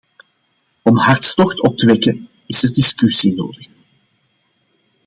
Om hartstocht op te wekken is er discussie nodig.